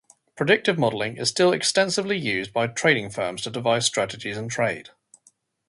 Predictive Modeling is still extensively used by trading firms to devise strategies and trade.